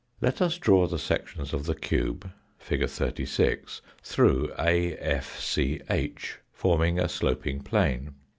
Let us draw the section of the cube, fig. 36, through A, F, C, H, forming a sloping plane.